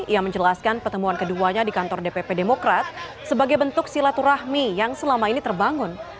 ia menjelaskan pertemuan keduanya di kantor dpp demokrat sebagai bentuk silaturahmi yang selama ini terbangun